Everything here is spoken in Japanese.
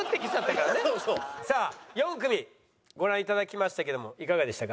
４組ご覧いただきましたけどもいかがでしたか？